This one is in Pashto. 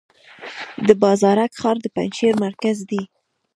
د بازارک ښار د پنجشیر مرکز دی